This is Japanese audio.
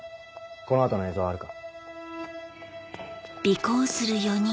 この後の映像はあるか？